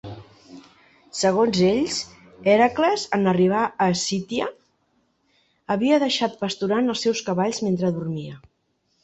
Segons ells, Hèracles, en arribar a Escítia, havia deixat pasturant els seus cavalls mentre dormia.